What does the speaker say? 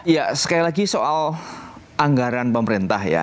ya sekali lagi soal anggaran pemerintah ya